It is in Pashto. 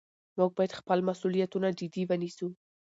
موږ باید خپل مسؤلیتونه جدي ونیسو